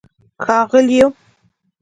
ښاغلیو